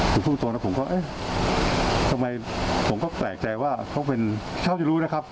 สูงตัวนะผมก็เอ๊ะทำไมผมก็แปลกใจว่าเขาเป็นเขาจะรู้นะครับ